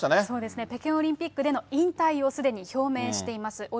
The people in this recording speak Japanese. そうですね、北京オリンピックでの引退をすでに表明しています。